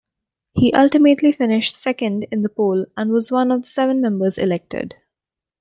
He ultimately finished second in the poll and was one of seven members elected.